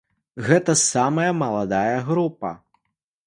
Гэта самая маладая група.